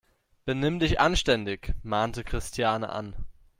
Benimm dich anständig!, mahnte Christiane an.